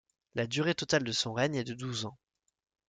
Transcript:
La durée totale de son règne est de douze ans.